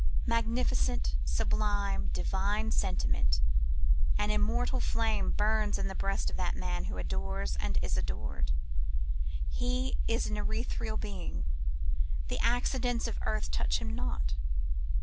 Magnificent, sublime, divine sentiment! An immortal flame burns in the breast of that man who adores and is adored. He is an ethereal being. The accidents of earth touch him not.